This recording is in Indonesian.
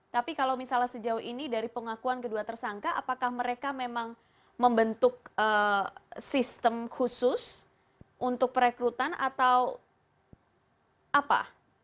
tapi kalau misalnya sejauh ini dari pengakuan kedua tersangka apakah mereka memang membentuk sistem khusus untuk perekrutan atau apa